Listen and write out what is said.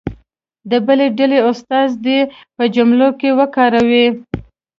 د بلې ډلې استازی دې په جملو کې وکاروي.